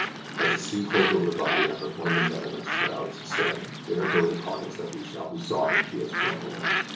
As the sea closed over the body I heard one of the men in the shrouds say: "There goes a carcass that we shall be sorry we have thrown away!"